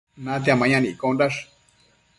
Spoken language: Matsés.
natia mayan iccondash